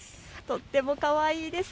とってもかわいいです。